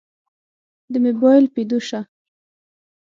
دمو مباييل پيدو شه.